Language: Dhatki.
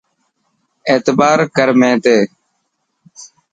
اعتبار ڪر مين تي.